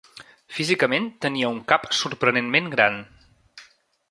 Físicament, tenia un cap sorprenentment gran.